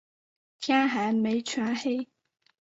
天还没全黑